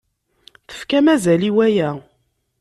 Tefkam azal i waya.